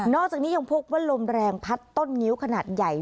อกจากนี้ยังพบว่าลมแรงพัดต้นงิ้วขนาดใหญ่